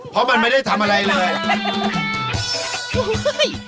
เพราะมันไม่ได้ทำอะไรเลย